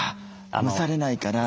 蒸されないから。